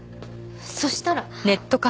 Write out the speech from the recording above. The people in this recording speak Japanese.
そしたら。